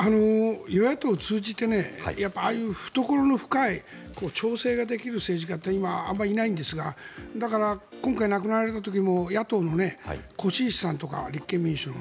与野党通じてああいう懐の深い調整ができる政治家って今、あまりいないんですがだから、今回、亡くなられた時も野党の輿石さんとか立憲民主の。